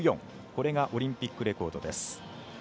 これがオリンピックレコードです。